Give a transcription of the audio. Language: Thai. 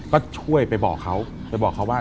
ก็ช่วยไปบอกเขาไปบอกเขาว่า